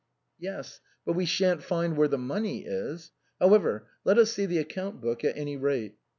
" Yes, but we shan't find where the money is. However, let us see the account book, at any rate."